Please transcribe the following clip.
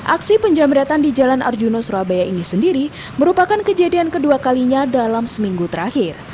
aksi penjamretan di jalan arjuna surabaya ini sendiri merupakan kejadian kedua kalinya dalam seminggu terakhir